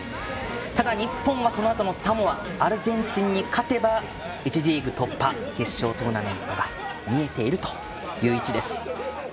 ただ、日本はこのあと、サモアアルゼンチンに勝てば１次リーグ突破決勝トーナメントが見えているという位置です。